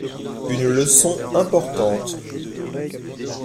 Une leçon importante.